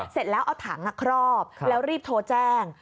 เสร็จแล้วเอาถังครอบแล้วรีบโทรแจ้ง